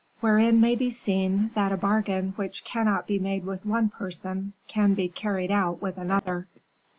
Wherein May Be Seen that a Bargain Which Cannot Be Made with One Person, Can Be Carried Out with Another.